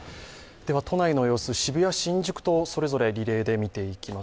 都内の様子、渋谷、新宿とそれぞれリレーで見ていきます。